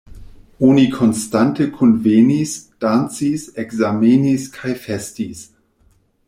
Oni konstante kunvenis, dancis, ekzamenis kaj festis.